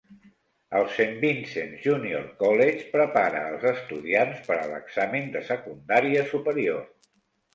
El Saint Vincent's Junior College prepara els estudiants per a l'Examen de Secundària Superior.